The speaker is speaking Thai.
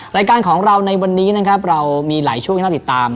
รายการของเราในวันนี้นะครับเรามีหลายช่วงที่น่าติดตาม